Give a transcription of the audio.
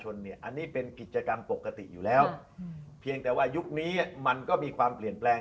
เหมือนกันทั้งการที่ทำงานในภาคการเมือง